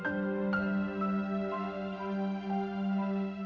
kakang mencintai dia kakang